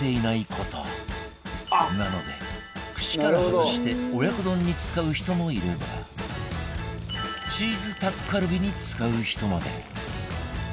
なので串から外して親子丼に使う人もいればチーズタッカルビに使う人まで